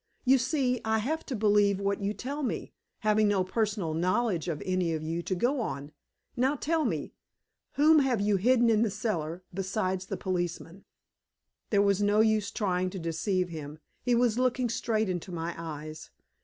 You see, I have to believe what you tell me, having no personal knowledge of any of you to go on. Now tell me whom have you hidden in the cellar, besides the policeman?" There was no use trying to deceive him; he was looking straight into my eyes.